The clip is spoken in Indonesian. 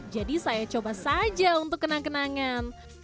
jadi saya coba saja untuk kenang kenangan